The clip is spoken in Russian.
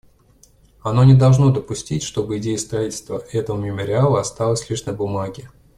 Оно не должно допустить, чтобы идея строительства этого мемориала осталась лишь на бумаге.